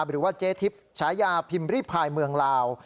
หรือว่าเจ๊ทิพย์ฉายาพิมพิพายเมืองลาว